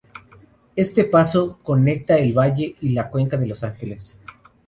Este paso conecta el valle y la cuenca de Los Ángeles.